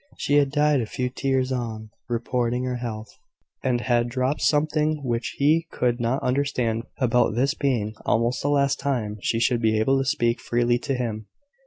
She had shed a few tears on reporting her health, and had dropped something which he could not understand, about this being almost the last time she should be able to speak freely to him.